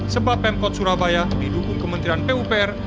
sebab pemkot surabaya didukung kementerian pupr